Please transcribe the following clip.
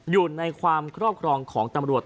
อยู่ในความครอบครองของตำรวจ